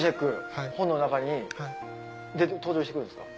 本の中に登場してくるんですか？